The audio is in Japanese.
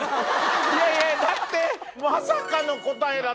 いやいやだって。